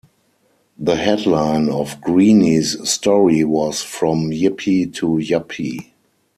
The headline of Greene's story was "From Yippie to Yuppie".